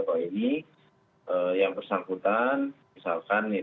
kalau ini yang bersangkutan misalkan ini terlipat